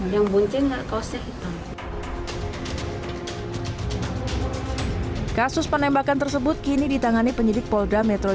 yang buncing ga kau sehita kasus penembakan tersebut kini ditangani penyidik polda metro